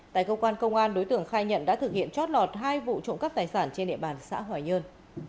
tại công an công an đối tượng khai nhận đã thực hiện chót lọt hai vụ trộm cắp tài sản trên địa bàn xã hòa nhơn